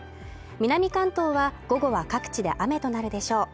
南関東は午後は各地で雨となるでしょう